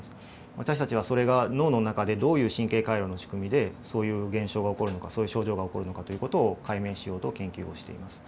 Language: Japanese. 私たちはそれが脳の中でどういう神経回路の仕組みでそういう現象が起こるのかそういう症状が起こるのかという事を解明しようと研究をしています。